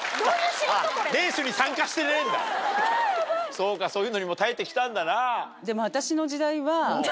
そうかそういうのにも耐えてきたんだな。